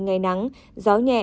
ngày nắng gió nhẹ